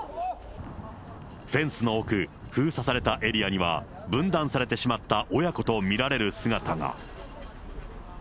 フェンスの奥、封鎖されたエリアには、分断されてしまった親子と見られる姿が。